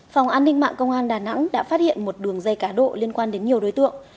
phòng an ninh mạng công an đà nẵng đã phát hiện một đường dây cá độ liên quan đến nhiều đối tượng